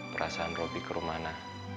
perasaan robi ke rumah ana